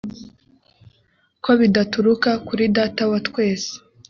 ko bidaturuka kuri data wa twese